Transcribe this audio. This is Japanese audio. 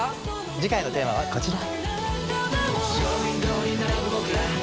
次回のテーマはこちら。